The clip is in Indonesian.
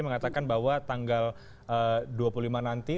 mengatakan bahwa tanggal dua puluh lima nanti